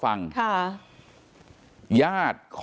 เป็นวันที่๑๕ธนวาคมแต่คุณผู้ชมค่ะกลายเป็นวันที่๑๕ธนวาคม